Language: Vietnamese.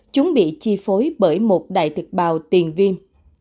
chúng bị chi phối bởi một đại thực bào tiền viêm